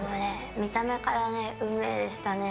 見た目から、うめえでしたね。